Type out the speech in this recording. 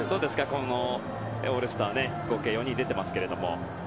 このオールスター合計４人出ていますが。